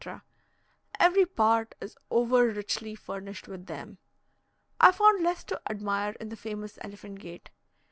Every part is over richly furnished with them. I found less to admire in the famous Elephant gate.